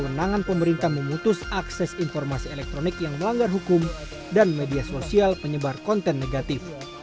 kemenangan pemerintah memutus akses informasi elektronik yang melanggar hukum dan media sosial penyebar konten negatif